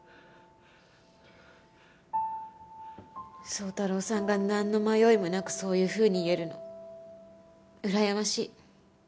宗太郎さんがなんの迷いもなくそういうふうに言えるのうらやましい。